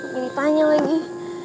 ini ditanya lagi